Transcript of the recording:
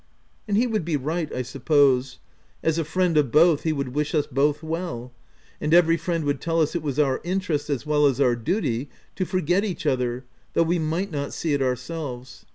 " And he would be right, I suppose. As a friend of both, he would wish us both well ; and every friend would tell us it was our in terest, as well as our duty, to forget each other, though we might not see it ourselves.